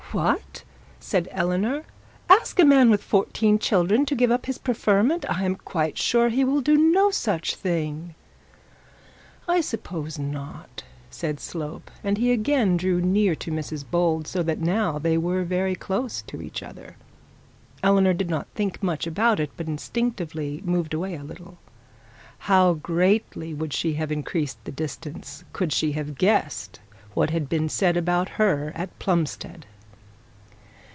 'What?' said Eleanor; 'ask a man with fourteen children to give up his preferment! I am quite sure he will do no such thing.' 'I suppose not,' said Slope; and he again drew near to Mrs Bold, so that now they were very close to each other. Eleanor did not think much about it, but instinctively moved away a little. How greatly would she have increased the distance could he have guessed what had been said about her at Plumstead!